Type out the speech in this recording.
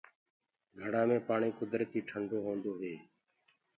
گھڙآ مي پآڻي ڪُدرتي ٺنڊو هوندو هي۔